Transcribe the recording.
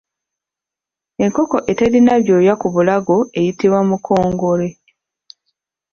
Enkoko eterina byoya ku bulago eyitibwa mukongole.